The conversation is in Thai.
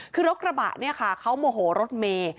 คือรถกระบะเนี่ยค่ะเขาโมโหรถเมย์